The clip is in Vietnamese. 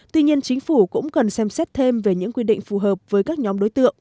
tuy nhiên chính phủ cũng cần xem xét thêm về những quy định phù hợp với các nhóm đối tượng